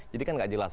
jadi kan nggak jelas